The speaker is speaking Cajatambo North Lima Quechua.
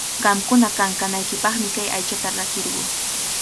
Qamkuna kankanaykipaqmi kay aychata rakirquu.